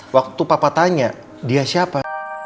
waktu papa tanya dia siapa